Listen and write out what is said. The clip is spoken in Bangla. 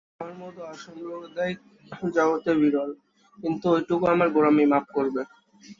আমার মত অসাম্প্রদায়িক জগতে বিরল, কিন্তু ঐটুকু আমার গোঁড়ামি, মাফ করবে।